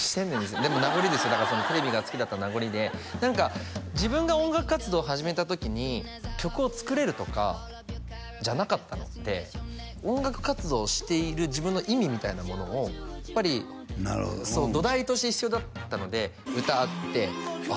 でも名残ですよだからそのテレビが好きだった名残で何か自分が音楽活動始めた時に曲を作れるとかじゃなかったので音楽活動している自分の意味みたいなものをやっぱり土台として必要だったので歌あってあっ